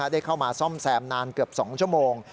ได้เข้ามาซ่อมแซมนานเกือบ๒ชั่วโมง